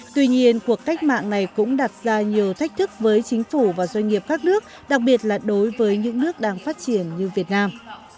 tuy nhiên cuộc cách mạng này cũng đặt ra nhiều thách thức với chính phủ và doanh nghiệp các nước đặc biệt là đối với những nước đang phát triển như việt nam